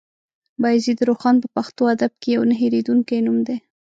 بايزيد روښان په پښتو ادب کې يو نه هېرېدونکی نوم دی.